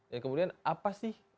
ya kemudian apa sih